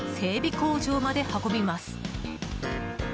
工場まで運びます。